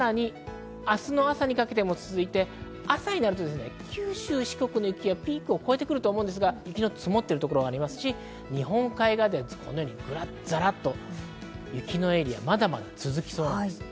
さらに明日の朝にかけても続いて朝になると九州、四国の雪はピークを越えてくると思いますが、雪の積もっているところがありますし、日本海側では雪のエリア、まだまだ続きそうです。